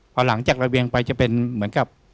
พอหลังจากระเวียงไปจะเป็นเหมือนกับ